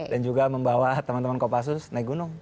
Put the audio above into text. dan juga membawa teman teman kopassus naik gunung